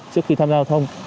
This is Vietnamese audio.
trước khi tham gia giao thông